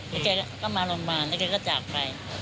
แล้วแกก็มาโรงพยาบาลแล้วแกก็จากไป